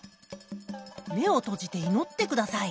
目を閉じて祈ってください。